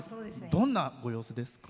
どんなご様子ですか？